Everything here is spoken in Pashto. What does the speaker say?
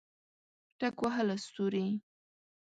ټک وهله ستوري